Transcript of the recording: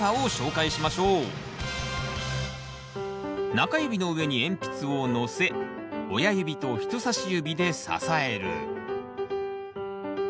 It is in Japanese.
中指の上に鉛筆をのせ親指と人さし指で支える。